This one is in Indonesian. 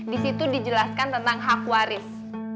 di situ dijelaskan tentang hak waris